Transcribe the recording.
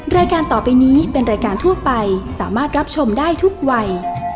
รายการต่อไปนี้เป็นรายการทั่วไปสามารถรับชมได้ทุกวัย